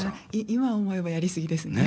今思えばやり過ぎですね。